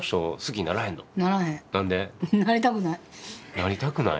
なりたくない。